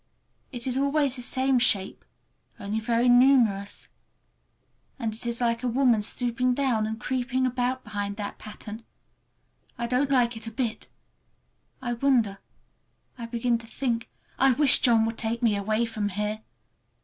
It is always the same shape, only very numerous. And it is like a woman stooping down and creeping about behind that pattern. I don't like it a bit. I wonder—I begin to think—I wish John would take me away from here!